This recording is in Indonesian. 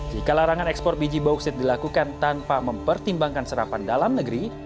jika larangan ekspor biji bauksit dilakukan tanpa mempertimbangkan serapan dalam negeri